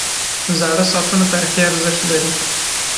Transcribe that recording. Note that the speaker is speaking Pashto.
• زاړه ساعتونه تاریخي ارزښت لري.